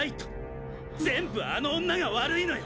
全部あの女が悪いのよ！